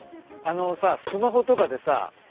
あのさスマホとかでさ